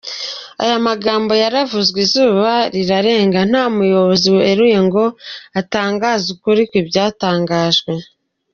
Aya magambo yaravuzwe izuba rirarenga nta muyobozi weruye ngo atangaze ukuri kw’ibyatangajwe.